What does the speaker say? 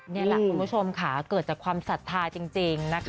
นี่แหละคุณผู้ชมค่ะเกิดจากความศรัทธาจริงนะคะ